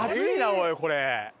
おいこれ。